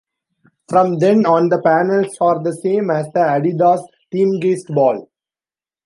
From then on the panels are the same as the Adidas Teamgeist ball.